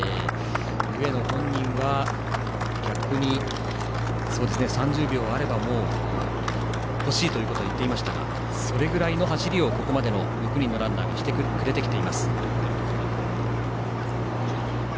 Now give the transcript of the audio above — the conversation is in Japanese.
上野本人は逆に３０秒あれば欲しいということを言っていましたがそれぐらいの走りをここまでの６人のランナーがしてくれています。